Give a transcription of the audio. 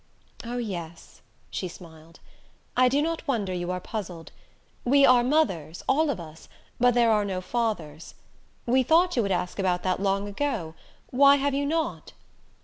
"Oh yes," she smiled. "I do not wonder you are puzzled. We are mothers all of us but there are no fathers. We thought you would ask about that long ago why have you not?"